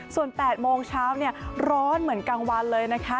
ส่วน๘โมงเช้าร้อนเหมือนกลางวันเลยนะคะ